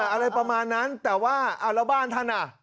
อะไรประมาณนั้นแต่ว่าเอาแล้วบ้านท่านอ่ะ